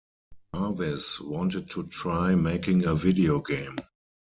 Jarvis wanted to try making a video game.